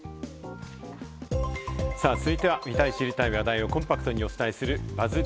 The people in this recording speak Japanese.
続いては見たい知りたい話題をコンパクトにお伝えするＢＵＺＺ